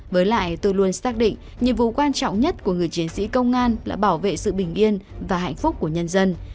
với lại tôi luôn xác định nhiệm vụ quan trọng nhất của người chiến sĩ công an là bảo vệ sự bình yên và hạnh phúc của nhân dân